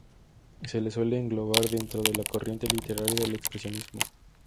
Se le suele englobar dentro de la corriente literaria del expresionismo.